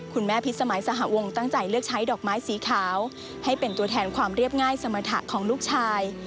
พิษสมัยสหวงตั้งใจเลือกใช้ดอกไม้สีขาวให้เป็นตัวแทนความเรียบง่ายสมรรถะของลูกชาย